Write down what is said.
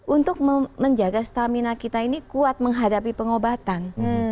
untuk menjaga stamina kita ini kuat menghadapi pengobatan